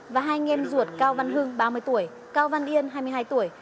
và hai nghiêm ruột cao văn hưng ba mươi tuổi cao văn yên hai mươi hai tuổi